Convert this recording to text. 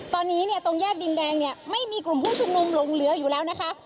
ตอนนี้เนี่ยตรงแยกดินแดงเนี่ยไม่มีกลุ่มผู้ชุมนุมลงเหลืออยู่แล้วนะคะ